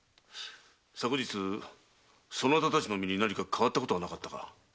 昨日そなたたちの身に何か変わったことはなかったか？